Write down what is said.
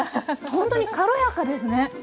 ほんとに軽やかですね。